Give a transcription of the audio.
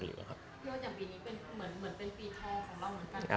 เพราะว่าอย่างปีนี้เหมือนเป็นปีท้อของเราเหมือนกัน